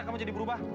kamu jadi berubah